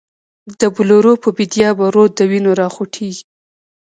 د بلورو په بید یا به، رود د وینو را خوټیږی